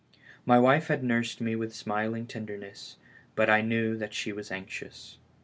My wife had nursed me with smiling tenderness, but I knew that she was anxious.